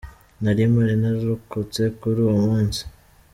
Nari mpari nararokotse kuri uwo munsi.